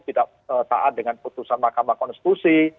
tidak taat dengan putusan mahkamah konstitusi